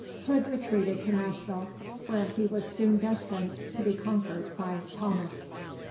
Hood retreated to Nashville, where he was soon destined to be conquered by Thomas.